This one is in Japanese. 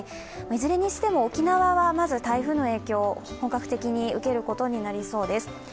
いずれにしても沖縄はまず台風の影響を本格的に受けることになりそうです。